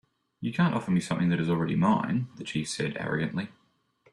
"You can't offer me something that is already mine," the chief said, arrogantly.